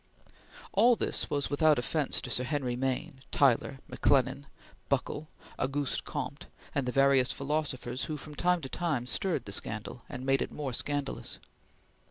All this was without offence to Sir Henry Maine, Tyler, McLennan, Buckle, Auguste Comte, and the various philosophers who, from time to time, stirred the scandal, and made it more scandalous.